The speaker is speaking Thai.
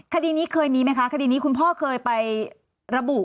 คดีนี้เคยมีไหมคะคดีนี้คุณพ่อเคยไประบุ